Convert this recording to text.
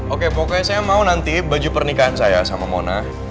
oke pokoknya saya mau nanti baju pernikahan saya sama mona